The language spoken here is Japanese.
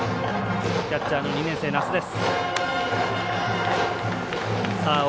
キャッチャーの２年生奈須です。